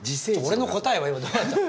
俺の答えは今どうなったの？